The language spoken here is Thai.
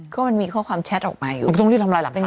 ก็มันมีข้อความแชทออกมาอยู่เป็นกลุ่มมันต้องได้ทำอะไรหลังผ่านแม่